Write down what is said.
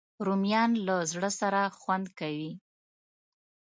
رومیان له زړه سره خوند کوي